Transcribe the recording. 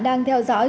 đang theo dõi